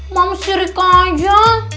mau mesir ikan aja